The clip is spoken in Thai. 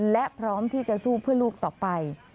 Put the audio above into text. และพร้อมที่จะสู้เพื่อลูกต่อไป